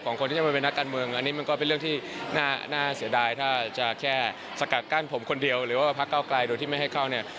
คนที่จะมาเป็นนักการเมืองอันนี้มันก็เป็นเรื่องที่น่าเสียดายถ้าจะแค่สกัดกั้นผมคนเดียวหรือว่าพักเก้าไกลโดยที่ไม่ให้เข้าเนี่ย